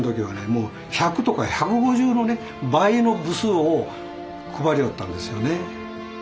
もう１００とか１５０のね倍の部数を配りよったんですよね。